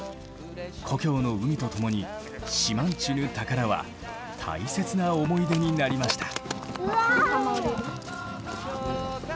故郷の海と共に「島人ぬ宝」は大切な思い出になりました。